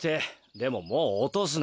でももうおとすなよ。